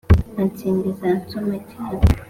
ansimbiza ansoma cyane